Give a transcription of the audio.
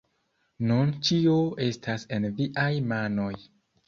Nun ĉio estas en viaj manoj